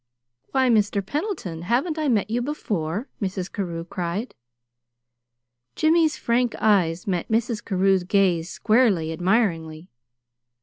"Why, Mr. Pendleton, haven't I met you before?" Mrs. Carew cried. Jimmy's frank eyes met Mrs. Carew's gaze squarely, admiringly.